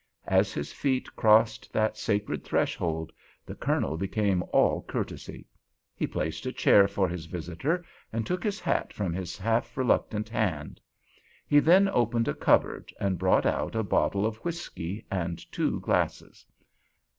As his feet crossed that sacred threshold the Colonel became all courtesy; he placed a chair for his visitor, and took his hat from his half reluctant hand. He then opened a cupboard and brought out a bottle of whiskey and two glasses.